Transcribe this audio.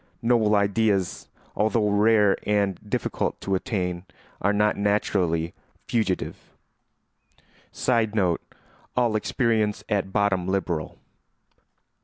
Noble ideas, although rare and difficult to attain, are not naturally fugitive. [Sidenote: All experience at bottom liberal.